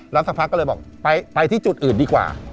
แล้วสักพักก็เลยบอกไปที่จุดอื่นดีกว่า